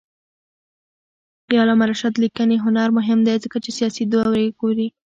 د علامه رشاد لیکنی هنر مهم دی ځکه چې سیاسي دورې ګوري.